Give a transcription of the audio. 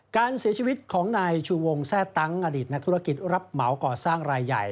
การเสียชีวิตของนายชูวงแทร่ตั้งอดีตนักธุรกิจรับเหมาก่อสร้างรายใหญ่